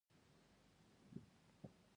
اوښ د افغانستان د ناحیو ترمنځ تفاوتونه راولي.